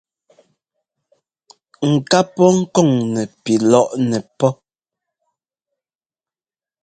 Ŋ ká pɔ́ kɔŋ nɛpi lɔ́ŋnɛ́ pɔ́.